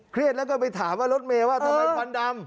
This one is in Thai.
เครียดแล้วก็ไปถามว่ารถเมว่าทำไมพันธุ์ดำ